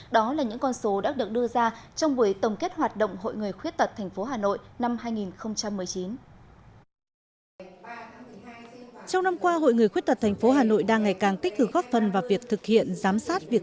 đó là những con số đã được đưa ra trong buổi tổng kết hoạt động hội người khuyết tật tp hà nội năm hai nghìn một mươi chín